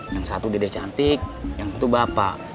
yang satu dede cantik yang satu bapak